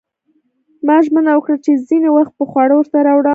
ما ژمنه وکړه چې ځینې وخت به خواړه ورته راوړم